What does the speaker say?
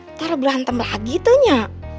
ntar berantem lagi tuh nyonya